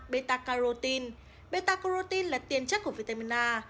beta carotene là tiền chất của vitamin a